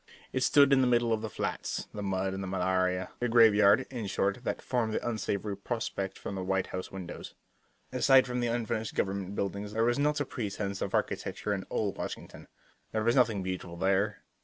It stood in the middle of the flats, the mud and the malaria the graveyard, in short, that formed the unsavory prospect from the White House windows. Aside from the unfinished government buildings there was not a pretense of architecture in all Washington. There was nothing beautiful there.